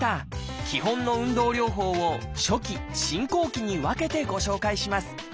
基本の運動療法を初期・進行期に分けてご紹介します。